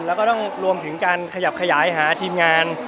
แล้วก็ต้องรวมถึงการขยับขยายหาทีมงาน